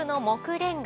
杢レンガ。